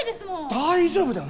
大丈夫だよ！